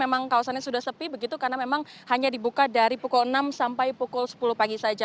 memang kawasannya sudah sepi begitu karena memang hanya dibuka dari pukul enam sampai pukul sepuluh pagi saja